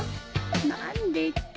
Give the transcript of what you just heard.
何でって。